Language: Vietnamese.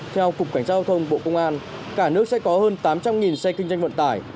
theo cục cảnh sát giao thông bộ công an cả nước sẽ có hơn tám trăm linh xe kinh doanh vận tải